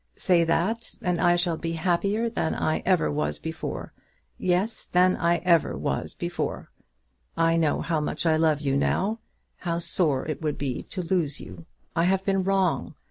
Say that, and I shall be happier than I ever was before; yes, than I ever was before. I know how much I love you now, how sore it would be to lose you. I have been wrong.